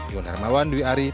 yon hermawan dwi ari